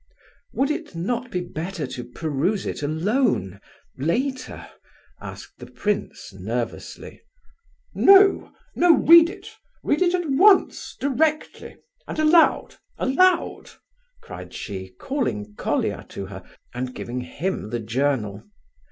"Would it not be better to peruse it alone... later," asked the prince, nervously. "No, no, read it—read it at once directly, and aloud, aloud!" cried she, calling Colia to her and giving him the journal.